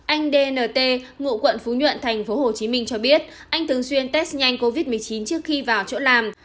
anh dnt ngụ quận phú nhuận tp hcm cho biết anh thường xuyên test nhanh covid một mươi chín trước khi vào chỗ làm